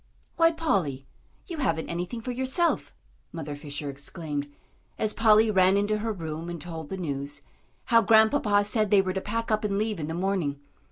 "Why, Polly, you haven't anything for yourself," Mother Fisher exclaimed, as Polly ran into her room and told the news how Grandpapa said they were to pack up and leave in the morning.